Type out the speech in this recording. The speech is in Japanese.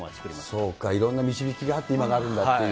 そうか、いろんな導きがあって今があるんだっていう。